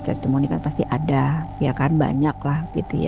testimoni kan pasti ada ya kan banyak lah